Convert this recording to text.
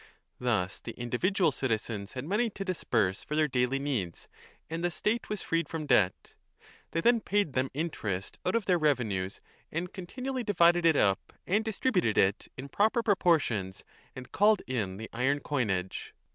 Thus the individual citizens had money to disburse for their daily needs and the state was 3 o freed from debt. They then paid them interest out of their revenues and continually divided it up and distributed it in proper proportions, and called in the iron coinage.